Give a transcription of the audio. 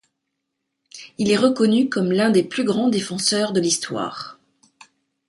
Il est reconnu comme l'un des plus grands défenseurs de l'histoire.